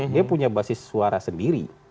dia punya basis suara sendiri